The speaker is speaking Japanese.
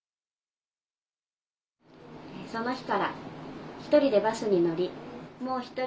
「その日から１人でバスに乗りもう１人で歩ける」。